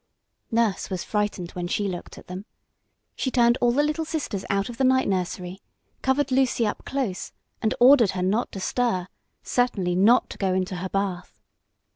Nurse was frightened when she looked at them. She turned all the little sisters out of the night nursery, covered Lucy up close, and ordered her not to stir, certainly not to go into her bath.